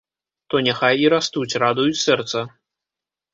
То няхай і растуць, радуюць сэрца.